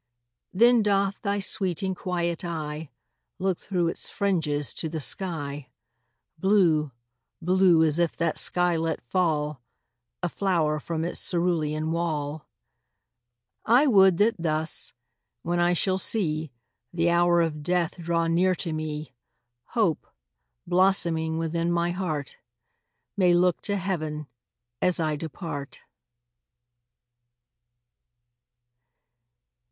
Then doth thy sweet and quiet eye Look through its fringes to the sky, Blue blue as if that sky let fall A flower from its cerulean wall. I would that thus, when I shall see The hour of death draw near to me, Hope, blossoming within my heart, May look to heaven as I depart.